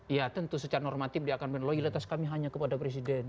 ya tentu secara normatif dia akan melihat loyalitas kami hanya kepada presiden